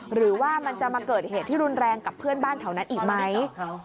หรือว่ามันจะมาเกิดเหตุที่รุนแรงกับเพื่อนบ้านแถวนั้นอีกไหม